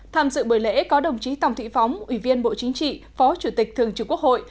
tham dự buổi lễ có đồng chí tòng thị phóng ủy viên bộ chính trị phó chủ tịch thường trực quốc hội